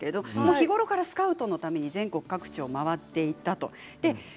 日頃からスカウトのために全国各地を回っていたということです。